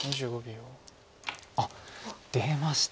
あっ出ました。